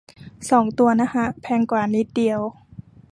สองตัว นะฮะ แพงกว่านิดเดียว